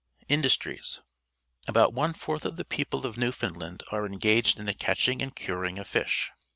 Industries. — About one fourth of the people of Newfoundland are engaged in the catch ing and curing of fish.